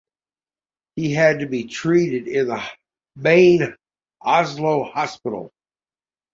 He had to be treated in the main Oslo hospital.